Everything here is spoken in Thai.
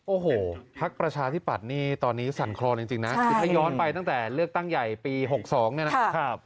โอ้โหภักดิ์ประชาธิบัตรนี้ตอนนี้สันครรภ์จริงนะย้อนไปตั้งแต่เลือกตั้งใหญ่ปี๖๒เนี่ยนะ